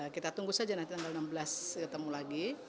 kita tunggu saja nanti tanggal enam belas ketemu lagi